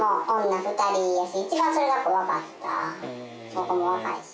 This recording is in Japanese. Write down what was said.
向こうも若いし。